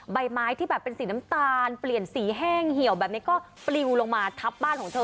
ใบไม้ที่แบบเป็นสีน้ำตาลเปลี่ยนสีแห้งเหี่ยวแบบนี้ก็ปลิวลงมาทับบ้านของเธอ